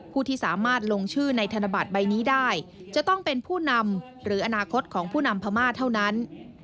ผู้ที่สามารถลงชื่อในธนบัตรใบนี้ได้จะต้องเป็นผู้นำหรืออนาคตของผู้นำพม่าเท่านั้น